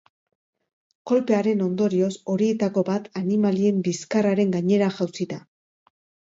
Kolpearen ondorioz, horietako bat animalien bizkarraren gainera jausi da.